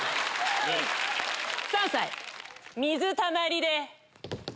３歳水たまりで。